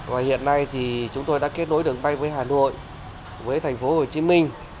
và hiện nay chúng tôi đã kết nối được bay với hà nội với thành phố hồ chí minh